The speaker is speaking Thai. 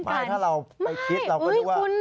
ไปถ้าเราไปคิดเราก็นึกว่า